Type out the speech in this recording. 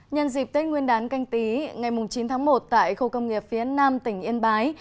nhân dịp tết nguyên đán canh tí ngày chín tháng một tại khu công nghiệp phía nam tỉnh yên bái